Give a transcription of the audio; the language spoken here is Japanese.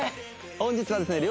本日はですね